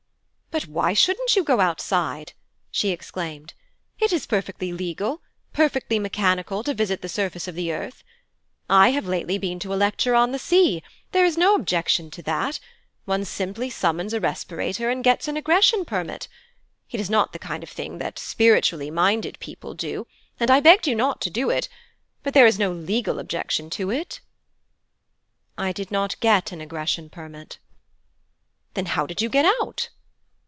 'But why shouldn't you go outside?' she exclaimed, 'It is perfectly legal, perfectly mechanical, to visit the surface of the earth. I have lately been to a lecture on the sea; there is no objection to that; one simply summons a respirator and gets an Egression permit. It is not the kind of thing that spiritually minded people do, and I begged you not to do it, but there is no legal objection to it.' 'I did not get an Egression permit.' 'Then how did you get out?'